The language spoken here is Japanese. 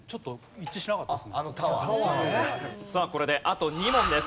さあこれであと２問です。